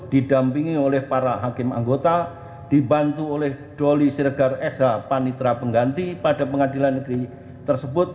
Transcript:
didampingi oleh para hakim anggota dibantu oleh doli siregar sh panitra pengganti pada pengadilan negeri tersebut